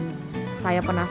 saya penasaran bisa menurutmu